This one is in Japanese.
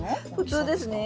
普通ですね。